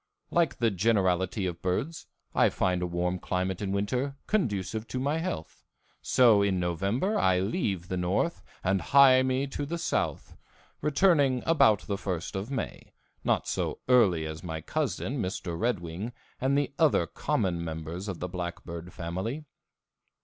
Like the generality of birds, I find a warm climate in winter conducive to my health, so in November I leave the north and hie me to the south, returning about the first of May, not so early as my cousin, Mr. Red Wing, and the other common members of the blackbird family.